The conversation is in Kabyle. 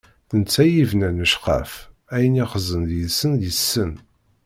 D netta i yebnan lecqaf, ayen ixzen deg-sen yessen.